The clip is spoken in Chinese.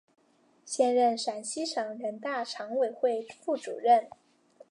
现任陕西省人大常委会副主任。